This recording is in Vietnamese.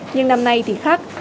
nhưng năm nay thì khác